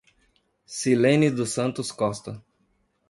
Cilene dos Santos Costa